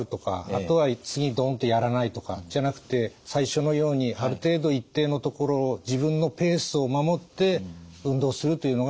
あとは次ドンとやらないとかじゃなくて最初のようにある程度一定のところを自分のペースを守って運動するというのがいいことだと思います。